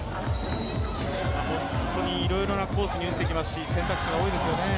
本当にいろいろなコースに打ってきますし、選択肢が多いですよね。